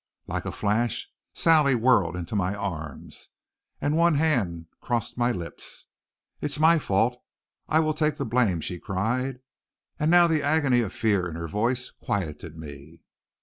Like a flash Sally whirled into my arms and one hand crossed my lips. "It's my fault. I will take the blame," she cried, and now the agony of fear in her voice quieted me.